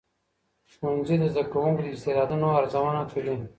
ښوونځي د زدهکوونکو د استعدادونو ارزونه کوي.